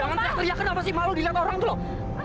jangan teriak teriak kenapa sih malu dilihat orang tuh